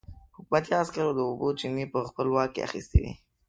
حکومتي عسکرو د اوبو چينې په خپل واک کې اخيستې وې.